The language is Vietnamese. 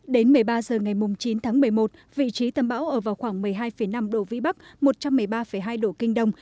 đến một mươi ba h ngày chín tháng một mươi một vị trí tâm bão ở vào khoảng một mươi hai năm độ vĩ bắc một trăm một mươi ba hai độ kinh đông